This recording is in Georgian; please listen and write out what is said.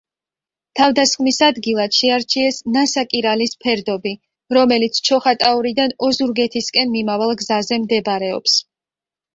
თავდასხმის ადგილად შეარჩიეს ნასაკირალის ფერდობი, რომელიც ჩოხატაურიდან ოზურგეთისკენ მიმავალ გზაზე მდებარეობს.